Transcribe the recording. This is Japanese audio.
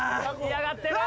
嫌がってる。